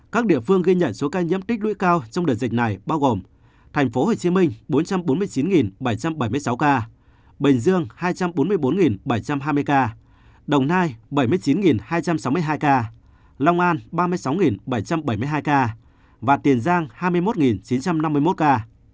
các địa phương ghi nhận số ca nhiễm tích lũy cao trong đợt dịch này bao gồm tp hcm bốn trăm bốn mươi chín bảy trăm bảy mươi sáu ca bình dương hai trăm bốn mươi bốn bảy trăm hai mươi ca đồng nai bảy mươi chín hai trăm sáu mươi hai ca long an ba mươi sáu bảy trăm bảy mươi hai ca và tiền giang hai mươi một chín trăm năm mươi một ca